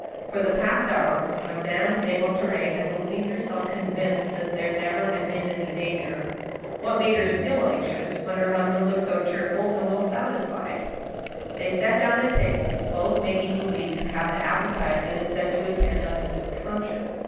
For the past hour, Madame de Monterey had believed herself convinced that there never had been any danger. What made her still anxious when her husband looked so cheer ful and well satisfied ? They sat down at table, both making believe to have the appe tite that is said to attend on a good conscience.